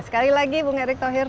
sekali lagi bu erik thohir